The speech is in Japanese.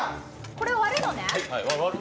これを割るのね？